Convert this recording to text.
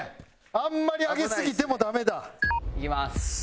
あんまり上げすぎてもダメだ。いきます。